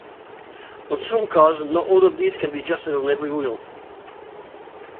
On some cars, not all of these can be adjusted on every wheel.